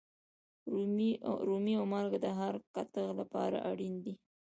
رومي او مالگه د هر کتغ لپاره اړین دي.